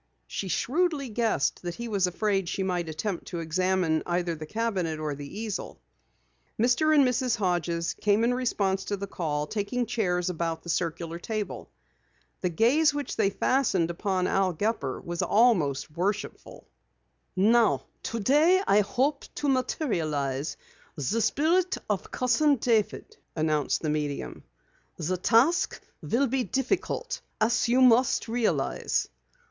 She shrewdly guessed that he was afraid she might attempt to examine either the cabinet or the easel. Mr. and Mrs. Hodges came in response to the call, taking chairs about the circular table. The gaze which they fastened upon Al Gepper was almost worshipful. "Now today I hope to materialize the Spirit of Cousin David," announced the medium. "The task will be difficult, as you must realize.